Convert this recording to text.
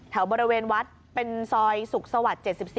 แถวบริเวณวัดเป็นซอยสุขสวรรค์๗๔